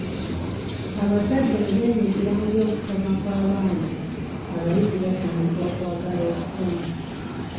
Abazadde bwe beenyigira mu by'okusoma kw'abaana, abayizi batandika okwagala okusoma.